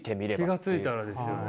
気が付いたらですよね。